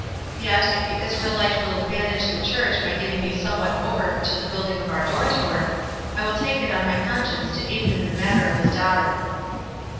Yet, if the Israelite will advantage the Church by giving me somewhat over to the building of our dortour, 45 I will take it on my conscience to aid him in the matter of his daughter."